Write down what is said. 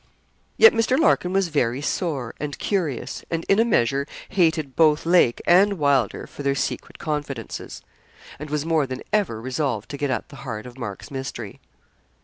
Yet Mr. Larkin was very sore, and curious, and in a measure, hated both Lake and Wylder for their secret confidences, and was more than ever resolved to get at the heart of Mark's mystery.